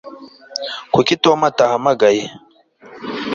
kuki tom atahamagaye